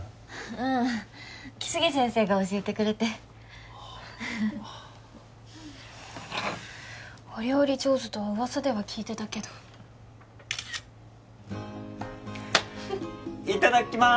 うん来生先生が教えてくれてお料理上手とは噂では聞いてたけどいただきます